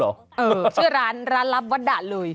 ชื่อร้านร้านลับวัดด่านเลย